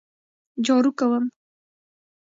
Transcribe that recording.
جارو کوم